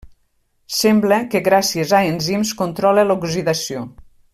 Sembla que gràcies a enzims controla l'oxidació.